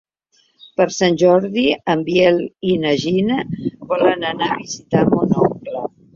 Per Sant Jordi en Biel i na Gina volen anar a visitar mon oncle.